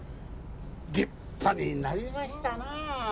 立派になりましたなあ